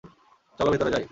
চলো ভেতরে যাই।